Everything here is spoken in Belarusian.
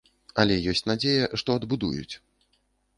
Але ёсць надзея, што адбудуюць.